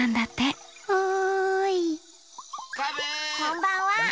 こんばんは。